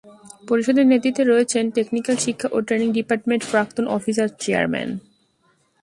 পরিষদের নেতৃত্বে রয়েছেন, টেকনিক্যাল শিক্ষা ও ট্রেনিং ডিপার্টমেন্ট প্রাক্তন অফিসার চেয়ারম্যান।